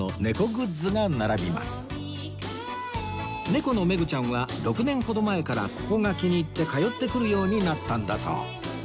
猫のめぐちゃんは６年ほど前からここが気に入って通ってくるようになったんだそう